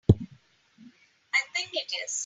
I think it is.